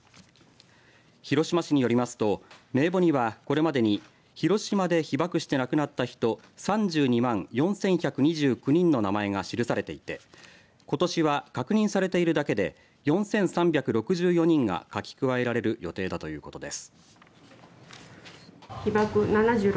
広島市によりますと名簿には、これまでに広島で被爆して亡くなった人３２万４１２９人の名前が記されていてことしは、確認されているだけで４３６４人が書き加えられる予定だということです。